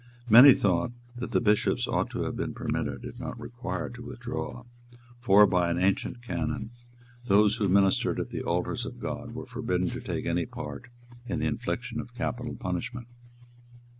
Many thought that the Bishops ought to have been permitted, if not required, to withdraw; for, by an ancient canon, those who ministered at the altars of God were forbidden to take any part in the infliction of capital punishment.